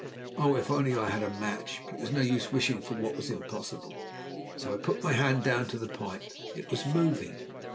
Oh, if only I had a match! But it was no use wishing for what was impossible, so I put my hand down to the pipe. _It was moving!